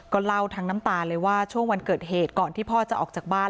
เล่าทั้งน้ำตาเลยว่าช่วงวันเกิดเหตุก่อนที่พ่อจะออกจากบ้าน